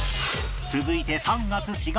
続いて３月４月